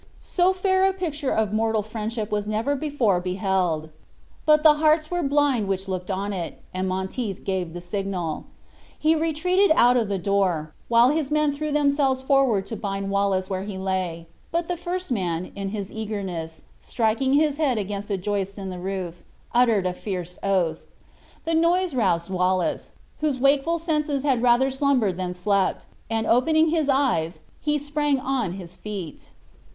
So fair a picture of mortal friendship was never before beheld. But the hearts were blind which looked on it, and Monteith gave the signal. He retreated out of the door, while his men threw themselves forward to bind Wallace where he lay; but the first man, in his eagerness, striking his head against a joist in the roof, uttered a fierce oath. The noise roused Wallace, whose wakeful senses had rather slumbered than slept, and opening his eyes, he sprung on his feet.